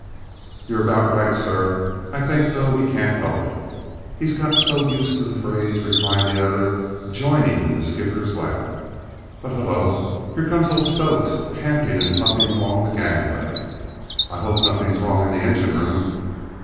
'" "You're about right, sir. I think, though, he can't help it; he's got so used to the phrase," replied the other, joining in the skipper's laugh. "But, hullo, here comes old Stokes, panting and puffing along the gangway. I hope nothing's wrong in the engine room."